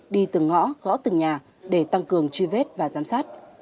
đi từng ngõ gõ từng nhà để tăng cường truy vết và giám sát